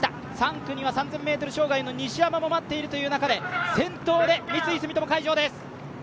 ３区には３０００ｍ障害の西山も待っているという中で先頭で三井住友海上です。